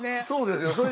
そうですよ。